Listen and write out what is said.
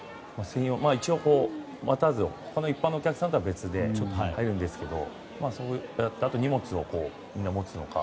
一応、待たずに他の一般のお客さんとは別で入れるんですけどあと荷物を持つのか。